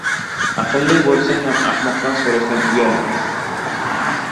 • Aqlli bo‘lsang ham ahmoqdan so‘rashdan uyalma.